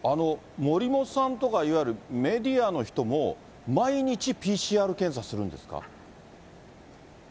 森本さんとか、いわゆるメディアの人も、毎日ＰＣＲ検査するんですか。